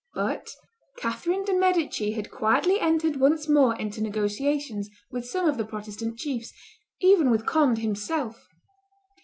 But Catherine de' Medici had quietly entered once more into negotiations with some of the Protestant chiefs, even with Conde himself.